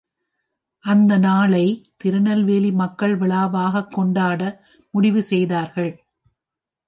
அந்த நாளை திருநெல்வேலி மக்கள் விழாவாக் கொண்டாட முடிவு செய்தார்கள்.